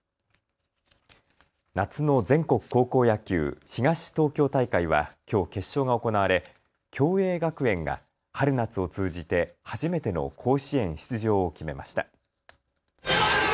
夏の全国高校野球、東東京大会はきょう決勝が行われ、共栄学園が春夏を通じて初めての甲子園出場を決めました。